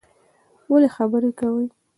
ولی خبری کوی